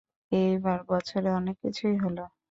এইবার বছরে অনেক কিছুই হল।